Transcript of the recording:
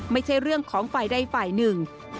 ไม่ใช่เรื่องของฝ่ายใดฝ่ายหนึ่ง